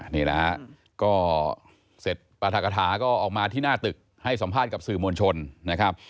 นี่แหละฮะก็เสร็จปราธกฐาก็ออกมาที่หน้าตึกให้สัมภาษณ์กับสื่อมวลชนนะครับ